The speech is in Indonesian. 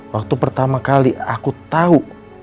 waktu pertama kali aku tahu